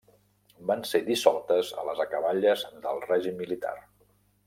Van ser dissoltes a les acaballes del règim militar.